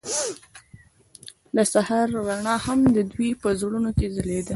د سهار رڼا هم د دوی په زړونو کې ځلېده.